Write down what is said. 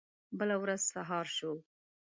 بله ورځ سهار شو.